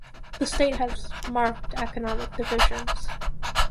The state has marked economic divisions.